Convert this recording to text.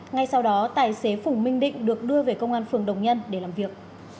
ngay sau đó tài xế phùng minh định được đưa về công an phường đồng nhân để làm việc